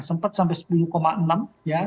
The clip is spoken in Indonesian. sempat sampai sepuluh enam ya